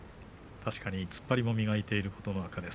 確かに突っ張りも磨いている琴ノ若。